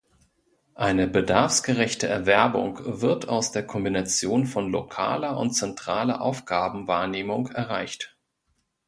Eine bedarfsgerechte Erwerbung wird aus der Kombination von lokaler und zentraler Aufgabenwahrnehmung erreicht.